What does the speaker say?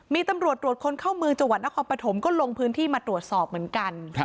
มีตำรวจตรวจคนเข้าเมืองจังหวัดนครปฐมก็ลงพื้นที่มาตรวจสอบเหมือนกัน